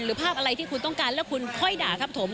ภาพอะไรที่คุณต้องการแล้วคุณค่อยด่าครับผม